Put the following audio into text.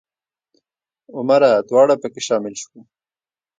عمره دواړه په کې شامل وو.